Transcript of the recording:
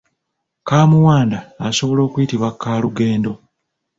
Kaamuwanda asobola okuyitibwa kaalugendo.